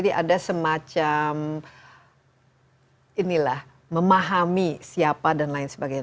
jadi ada semacam inilah memahami siapa dan lain sebagainya